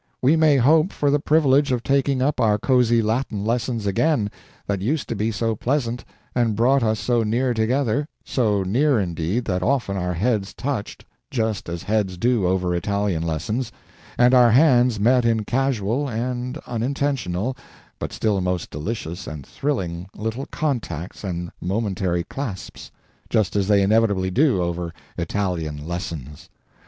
we may hope for the privilege of taking up our cozy Latin lessons again, that used to be so pleasant, and brought us so near together so near, indeed, that often our heads touched, just as heads do over Italian lessons; and our hands met in casual and unintentional, but still most delicious and thrilling little contacts and momentary clasps, just as they inevitably do over Italian lessons.